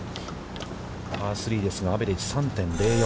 パー３ですが、アベレージ３．０４。